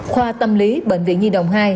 khoa tâm lý bệnh viện nhi đồng hai